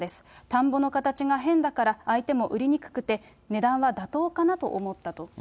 田んぼの形が変だから、相手も売りにくくて、値段は妥当かなと思ったと。